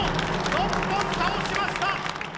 ６本倒しました。